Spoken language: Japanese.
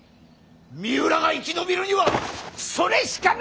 三浦が生き延びるにはそれしかないぞ！